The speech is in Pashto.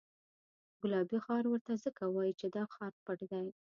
ګلابي ښار ورته ځکه وایي چې دا ښار پټ دی.